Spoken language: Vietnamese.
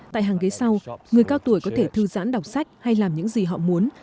tại hàng ghế sau người cao tuổi có thể thư giãn đọc sách hay làm những gì họ muốn